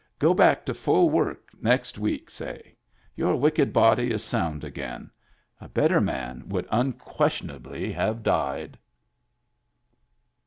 Go back to full work next week, say. Your wicked body is sound again. A better man would unquestionably have died."